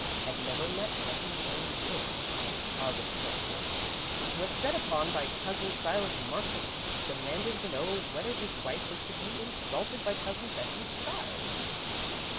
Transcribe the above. Had never met Cousin Jane Wood. "Aug. 24. Was set upon by Cousin Silas Martin, demanding to know whether his wife was to be insulted by Cousin Betsey Skiles.